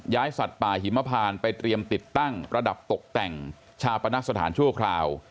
สัตว์ป่าหิมพานไปเตรียมติดตั้งระดับตกแต่งชาปนสถานชั่วคราว